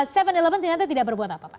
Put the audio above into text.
tujuh eleven ternyata tidak berbuat apa apa